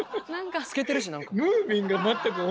透けてるし何か。